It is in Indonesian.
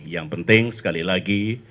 yang penting sekali lagi